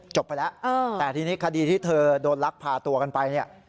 จบไปแล้วแต่ทีนี้คดีที่เธอโดนลักพาตัวกันไปเนี่ย